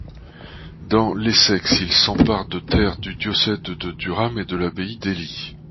Dans l'Essex, il s'empare de terres du diocède de Durham et de l'abbaye d'Ely.